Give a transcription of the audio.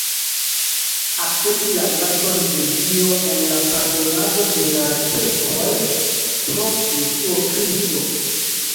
Akcepti la gracon de Dio en la pardonado de la pekoj pro Jesuo Kristo.